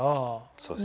そうです。